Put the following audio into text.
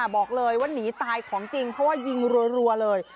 บอกเลยว่าหนีตายของจริงเพราะว่ายิงรัวเลย